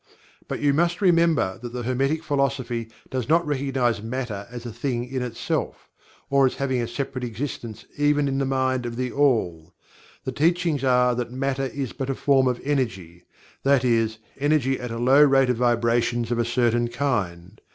But you must remember that the Hermetic Philosophy does not recognize Matter as a thing in itself, or as having a separate existence even in the Mind of THE ALL. The Teachings are that Matter is but a form of Energy .that is, Energy at a low rate of vibrations of a certain kind.